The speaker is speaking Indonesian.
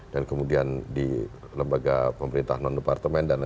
dan kemudian di lembaga pemerintah non departemen dan lain lain